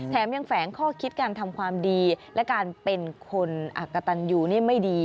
แถมยังแฝงข้อคิดการทำความดีและการเป็นคนอักกะตันยูนี่ไม่ดี